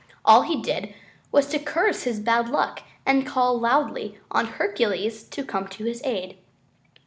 All he did was to curse his bad luck and call loudly on Hercules to come to his aid.